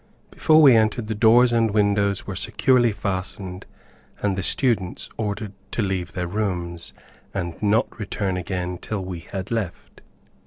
Before we entered, the doors and windows were securely fastened, and the students ordered to leave their rooms, and not return again till we had left.